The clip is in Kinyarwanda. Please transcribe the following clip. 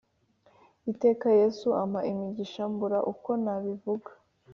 Iteka yesu ampa imigisha mbura uko nabivuga